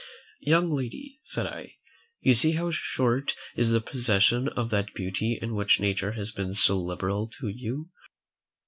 "Young lady," said I, "you see how short is the possession of that beauty in which nature has been so liberal to you.